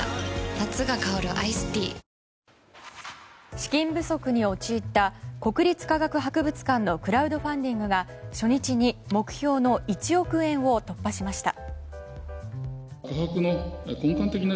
夏が香るアイスティー資金不足に陥った国立科学博物館のクラウドファンディングが初日に目標の１億円を突破しました。